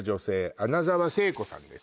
穴沢聖子さんです